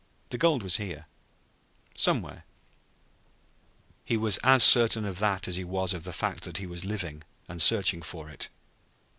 The gold was here somewhere. He was as certain of that as he was of the fact that he was living, and searching for it.